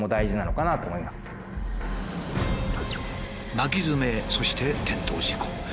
巻きヅメそして転倒事故。